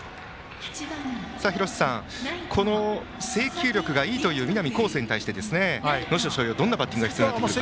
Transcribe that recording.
廣瀬さん、制球力がいいという南恒誠に対して能代松陽はどんなバッティングが必要になりますか？